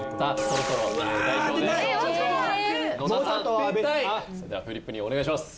それではフリップにお願いします。